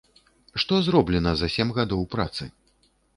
Што зроблена за сем гадоў працы?